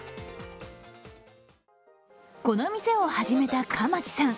この店を始めた蒲池さん。